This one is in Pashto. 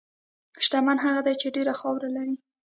شتمن هغه دی چې ډېره خاوره لري.